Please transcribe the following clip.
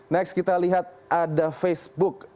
next kita lihat ada facebook